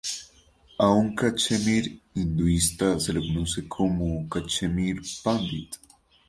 A un cachemir hinduista se le conoce como "cachemir pandit".